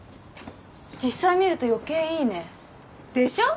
実際見ると余計いいねでしょ？